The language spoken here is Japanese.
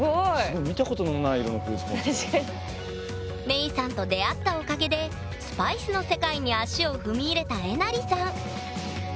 メイさんと出会ったおかげでスパイスの世界に足を踏み入れたえなりさん